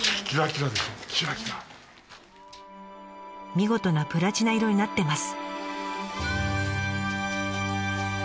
見事なプラチナ色になってます。